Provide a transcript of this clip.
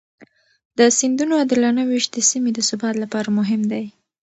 د سیندونو عادلانه وېش د سیمې د ثبات لپاره مهم دی.